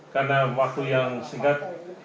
karena waktu yang singkat